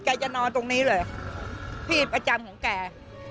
จะนอนตรงนี้เลยพี่ประจำของแก